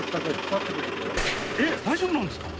えっ大丈夫なんですか？